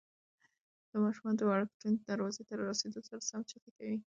ماشوم د وړکتون دروازې ته له رارسېدو سره سم چیغې کوي.